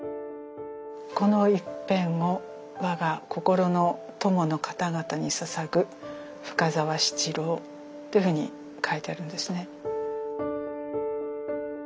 「この一篇を我が心の友のかたがたに捧ぐ深澤七郎」っていうふうに書いてあるんですね。